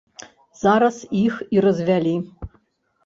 Зараз іх і развялі.